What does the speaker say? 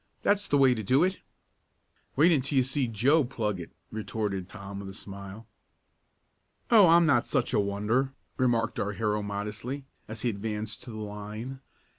"That's the way to do it!" "Wait until you see Joe plug it," retorted Tom with a smile. "Oh, I'm not such a wonder," remarked our hero modestly, as he advanced to the line.